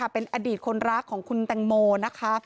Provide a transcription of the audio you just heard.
เป็นอดีตคนรักของคุณแตงโมนะคะ